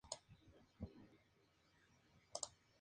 Los frutos de estas plantas conforman la base de su dieta.